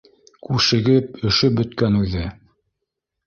Күшегеп өшөп бөткән үҙе